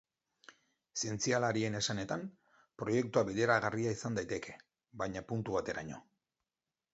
Zientzialarien esanetan, proiektua bideragarria izan daiteke, baina puntu bateraino.